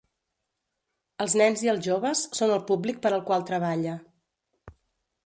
Els nens i els joves són el públic per al qual treballa.